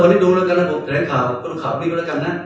วันนี้ดูแล้วกันระบบแถลงข่าวก็ดูข่าวนี้ก็แล้วกันนะ